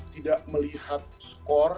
tidak melihat score